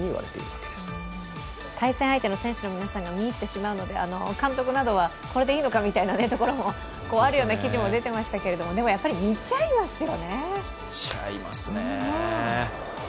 対戦相手の選手の皆さんも見入ってしまうので監督などはこれでいいのかみたいなところもあるような記事も出ていましたけど、やっぱり見ちゃいますよね。